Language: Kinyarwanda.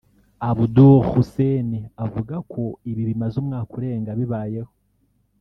Abdoul Hussein avuga ko ibi bimaze umwaka urenga bibayeho